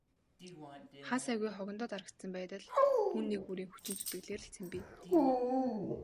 Хаа сайгүй хогондоо дарагдсан байдал хүн нэг бүрийн хүчин зүтгэлээр л цэмцийнэ.